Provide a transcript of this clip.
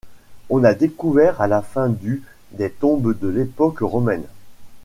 On a découvert à la fin du des tombes de l’époque romaine.